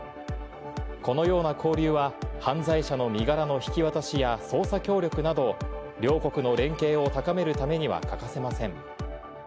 このような交流は、犯罪者の身柄の引き渡しや捜査協力など、両国の連携を高めるためには欠かせません。